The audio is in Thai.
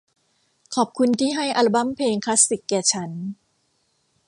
ขอบคุณที่ให้อัลบั้มเพลงคลาสสิคแก่ฉัน